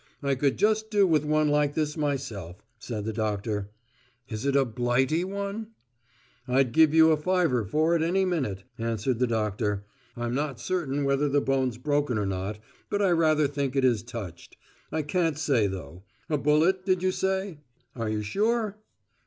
"I could just do with one like this myself," said the doctor. "Is it a Blighty one?" "I'd give you a fiver for it any minute," answered the doctor. "I'm not certain whether the bone's broken or not, but I rather think it is touched. I can't say, though. A bullet, did you say? Are you sure?"